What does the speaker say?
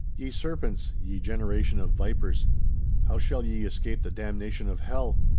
'"Ye serpents, ye generation of vipers, how shall ye escape the damnation of hell?